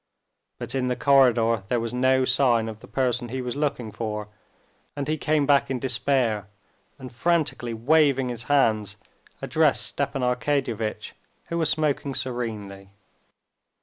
But in the corridor there was no sign of the person he was looking for and he came back in despair, and frantically waving his hands addressed Stepan Arkadyevitch, who was smoking serenely.